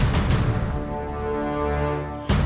ya ini udah berakhir